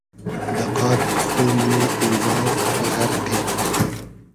دۂ قادی خو مونی ایمباو ، غئرقی